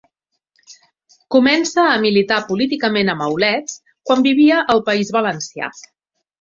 Comença a militar políticament a Maulets, quan vivia al País Valencià.